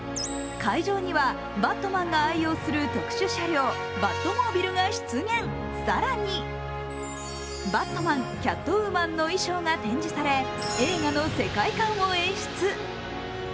会場にはバットマンが愛用する特殊車両、バットモービルが出現、更に、バットマン、キャットウーマンの衣装が展示され、映画の世界観を演出。